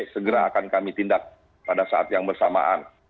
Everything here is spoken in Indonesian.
segera akan kami tindak pada saat yang bersamaan